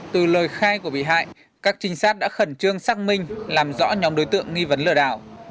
từ lời khai của bị hại các trinh sát đã khẩn trương xác minh làm rõ nhóm đối tượng nghi vấn lừa đảo